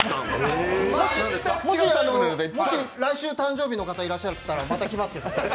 もし来週、誕生日の方、いらっしゃったらまた来ますよ。